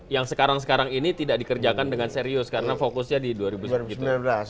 yang sekarang sekarang ini tidak dikerjakan dengan serius karena fokusnya di dua ribu sembilan belas